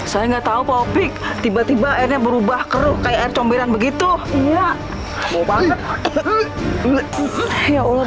saya nggak tahu popik tiba tiba airnya berubah keruh kayak comberan begitu iya mau banget ya allah